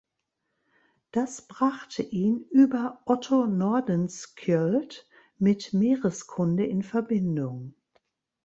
Das brachte ihn über Otto Nordenskjöld mit Meereskunde in Verbindung.